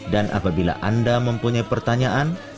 dan apabila anda mempunyai pertanyaan